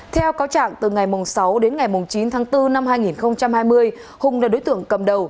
theo cáo trạng từ ngày sáu đến ngày chín tháng bốn năm hai nghìn hai mươi hùng là đối tượng cầm đầu